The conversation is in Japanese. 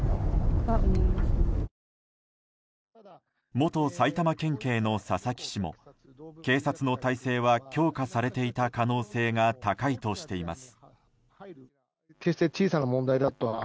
元埼玉県警の佐々木氏も警察の体制は強化されていた可能性が高いとしています。